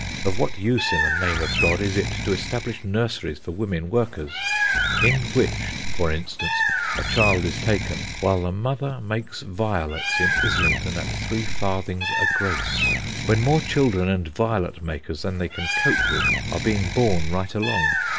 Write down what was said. Of what use, in the name of God, is it to establish nurseries for women workers, in which, for instance, a child is taken while the mother makes violets in Islington at three farthings a gross, when more children and violet makers than they can cope with are being born right along?